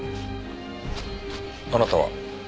あなたは？